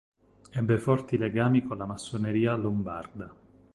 Ebbe forti legami con la massoneria lombarda.